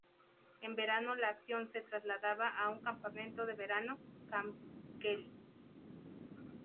En verano, la acción se trasladaba a un campamento de verano, Kamp Kelly.